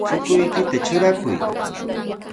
Chukuykita trurakuy.